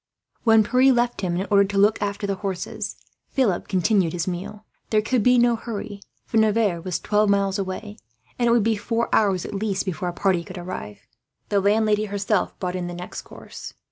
When Pierre left him in order to look after the horses, Philip continued his meal. There could be no hurry, for Nevers was twelve miles away; and it would be four hours, at least, before a party could arrive. The landlady herself brought in the next course.